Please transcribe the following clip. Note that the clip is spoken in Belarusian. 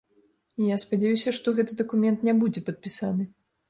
Я спадзяюся, што гэты дакумент не будзе падпісаны.